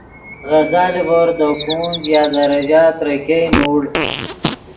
غزا لیڤور دے کونج یا دے ریژہ ترے ګئے نوڑ